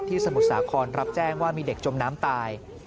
สมุทรสาครรับแจ้งว่ามีเด็กจมน้ำตาย